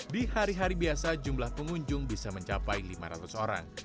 di hari hari biasa jumlah pengunjung bisa mencapai lima ratus orang